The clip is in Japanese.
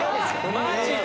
マジで。